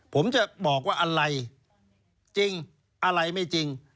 ผมจะบอกว่าอะไรจริงอะไรไม่จริง